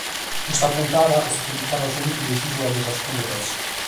Custa puntada est dedicada a su mitu de s'ìsula de is turres.